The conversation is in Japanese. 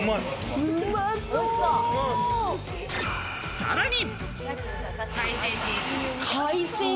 さらに！